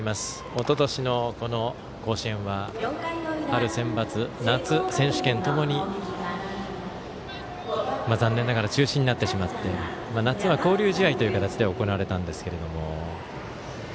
おととしの甲子園は春センバツ、夏選手権ともに残念ながら中止になってしまって夏は交流試合という形で行われたんですけれども。